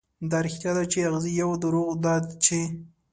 دا رښتيا ده، چې اغزي يو، دروغ دا چې